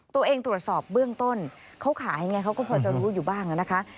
ตัวเองตรวจสอบเบื้องต้นเขาขาให้อย่างไรเขาก็พอจะรู้อยู่บ้างนะคะ